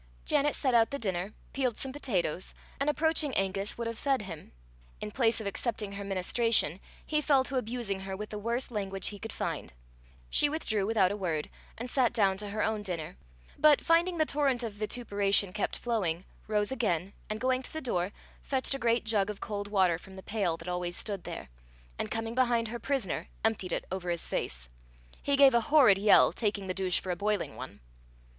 Janet set out the dinner, peeled some potatoes, and approaching Angus, would have fed him. In place of accepting her ministration, he fell to abusing her with the worst language he could find. She withdrew without a word, and sat down to her own dinner; but, finding the torrent of vituperation kept flowing, rose again, and going to the door, fetched a great jug of cold water from the pail that always stood there, and coming behind her prisoner, emptied it over his face. He gave a horrid yell taking the douche for a boiling one.